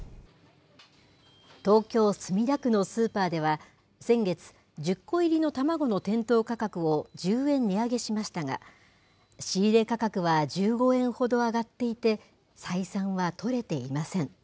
東京・墨田区のスーパーでは、先月、１０個入りの卵の店頭価格を１０円値上げしましたが、仕入れ価格は１５円ほど上がっていて、採算は取れていません。